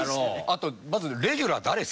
あとまずレギュラー誰ですか？